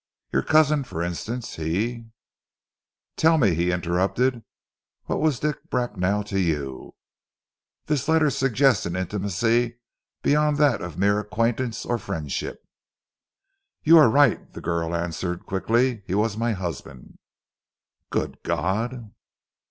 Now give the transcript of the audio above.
"Your cousin, for instance, he " "Tell me," he interrupted. "What was Dick Bracknell to you? This letter suggests an intimacy beyond that of mere acquaintance or friendship." "You are right," the girl answered quickly. "He was my husband." "Good God!"